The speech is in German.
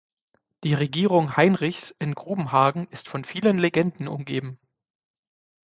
Die Regierung Heinrichs in Grubenhagen ist von vielen Legenden umgeben.